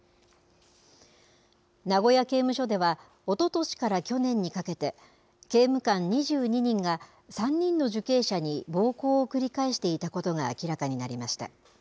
名古屋刑務所では、おととしから去年にかけて、刑務官２２人が３人の受刑者に暴行を繰り返していたことが明らかになりました。